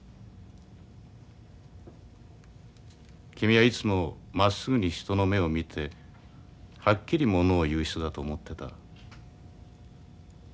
君はいつもまっすぐに人の目を見てはっきり物を言う人だと思ってた。